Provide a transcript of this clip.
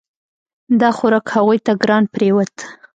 دا خوراک هغوی ته ګران پریوت.